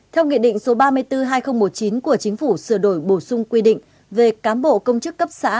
theo nghị định số ba mươi bốn hai nghìn một mươi chín của chính phủ sửa đổi bổ sung quy định về cán bộ công chức cấp xã